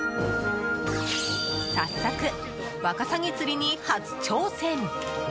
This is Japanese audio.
早速、ワカサギ釣りに初挑戦。